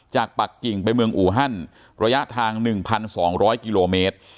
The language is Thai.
ปักกิ่งไปเมืองอูฮันระยะทาง๑๒๐๐กิโลเมตร